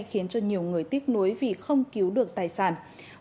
khiến cho nhiều người tiếc nuối vì không cứu được tài sản